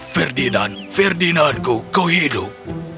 ferdinand ferdinandku kau hidup